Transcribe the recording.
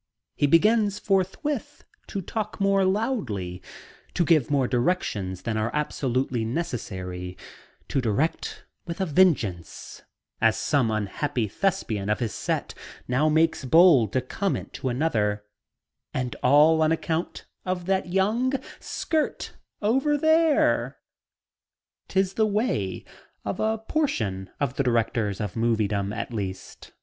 He begins, forthwith, to talk more loudly, to give more directions than are absolutely necessary, to direct "with a vengeance" as some unhappy thespian of his set now makes bold to comment to another, "and all on account of that young skirt over there." 'Tis the way of a portion of the directors of moviedom, at least.